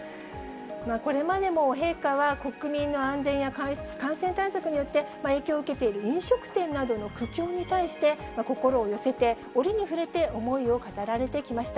これまでも陛下は、国民の安全や感染対策によって影響を受けている飲食店などの苦境に対して、心を寄せて、折に触れて、思いを語られてきました。